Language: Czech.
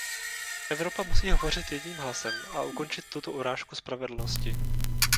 Evropa musí hovořit jedním hlasem a ukončit tuto urážku spravedlnosti.